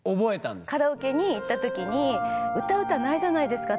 カラオケに行った時に歌う歌ないじゃないですか